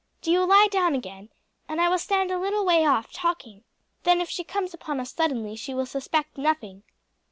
Do you lie down again, and I will stand a little way off talking. Then if she comes upon us suddenly she will suspect nothing."